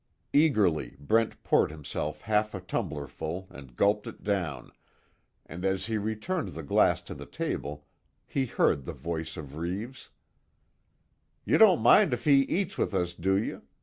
Eagerly Brent poured himself half a tumblerful and gulped it down, and as he returned the glass to the table, he heard the voice of Reeves: "You don't mind if he eats with us do you?